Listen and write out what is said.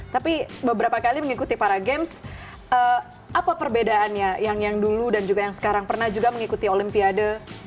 tapi beberapa kali mengikuti para games apa perbedaannya yang dulu dan juga yang sekarang pernah juga mengikuti olimpiade